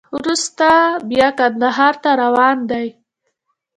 وروسته بیا کندهار ته روان دی.